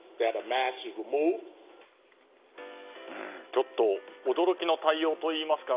ちょっと驚きの対応といいますか。